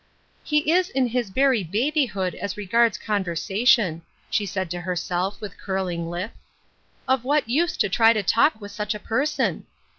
" He is in his very babyhood as regards con versation," she said to herself, with curling lip. " Of what use to try to talk with such a person